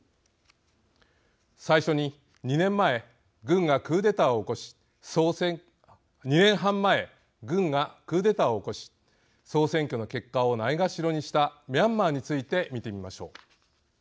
最初に２年半前軍がクーデターを起こし総選挙の結果をないがしろにしたミャンマーについて見てみましょう。